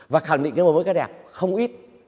và khẳng định cái mới cái đẹp không ít